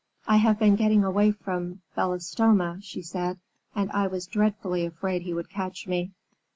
"I have been getting away from Belostoma," she said, "and I was dreadfully afraid he would catch me."